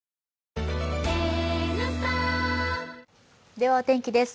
ではお天気です。